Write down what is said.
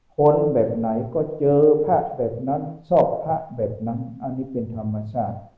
คนแบบไหนก็เจอพระแบบนั้นซอกพระแบบนั้นอันนี้เป็นธรรมชาติ